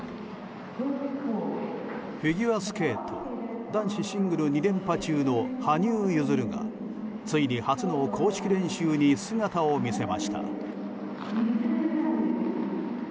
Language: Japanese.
フィギュアスケート男子シングル２連覇中の羽生結弦が、ついに初の公式練習に姿を見せました。